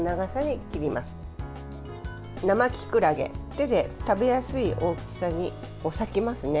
手で食べやすい大きさに裂きます。